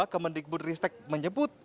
kementerian kesehatan menyebut